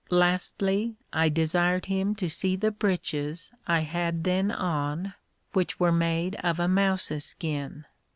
Lastly, I desired him to see the breeches I had then on, which were made of a mouse's skin.